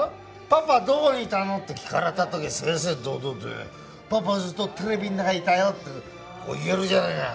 「パパどこにいたの？」って聞かれた時正々堂々と「パパずっとテレビの中にいたよ」って言えるじゃねえか。